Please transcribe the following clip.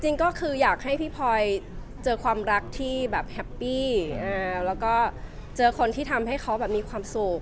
จริงก็คืออยากให้พี่พลอยเจอความรักที่แบบแฮปปี้แล้วก็เจอคนที่ทำให้เขาแบบมีความสุข